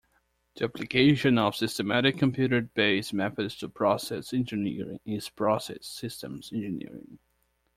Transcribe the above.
The application of systematic computer-based methods to process engineering is process systems engineering.